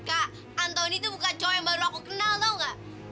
kak anthony tuh bukan cowok yang baru aku kenal tau nggak